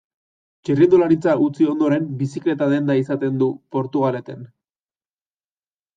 Txirrindularitza utzi ondoren, bizikleta-denda izaten du Portugaleten.